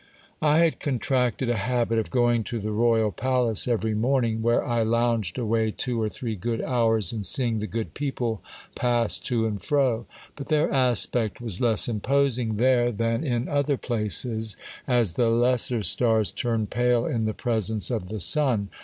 I had contracted a habit of going to the royal palace every morning, where I lounged away two or three good hours in seeing the good people pass to and fro ; but their aspect was less imposing there than in other places, as the lesser stars, turn pale in the presence of the sun.